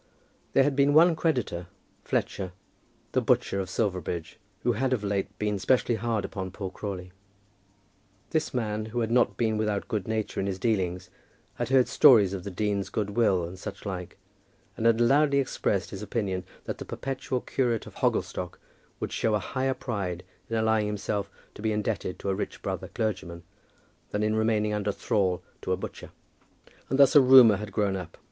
There had been one creditor, Fletcher, the butcher of Silverbridge, who had of late been specially hard upon poor Crawley. This man, who had not been without good nature in his dealings, had heard stories of the dean's good will and such like, and had loudly expressed his opinion that the perpetual curate of Hogglestock would show a higher pride in allowing himself to be indebted to a rich brother clergyman, than in remaining under thrall to a butcher. And thus a rumour had grown up.